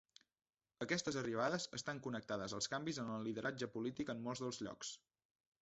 Aquestes arribades estan connectades als canvis en el lideratge polític en molts dels llocs.